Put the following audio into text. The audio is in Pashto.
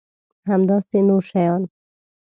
همداسې نور شیان.